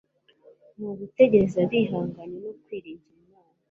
ni ugutegereza bihanganye no kwiringira Imana